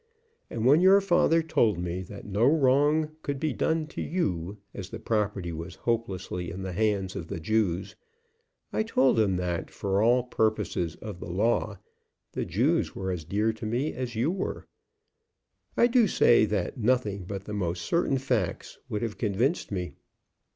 "And when your father told me that no wrong could be done to you, as the property was hopelessly in the hands of the Jews, I told him that, for all purposes of the law, the Jews were as dear to me as you were. I do say that nothing but the most certain facts would have convinced me.